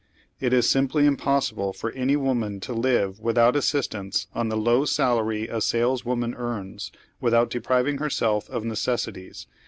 It is simply impossible for any woman to live with out assistance on the low salary a saleswoman earns, with o«t depriving herself of real necessities.